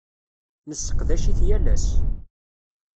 Nesseqdac-it yal ass.